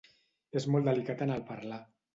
És molt delicat en el parlar.